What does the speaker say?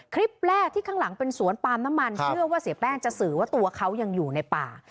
คลิปแรกที่ข้างหลังเป็นสวนปาล์มน้ำมันเชื่อว่าเสียแป้งจะสื่อว่าตัวเขายังอยู่ในป่า